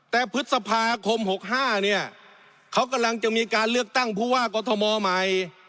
แต่พฤษภาคม๖๕เนี่ยเขากำลังจะมีการเลือกตั้งผู้ว่ากอทมใหม่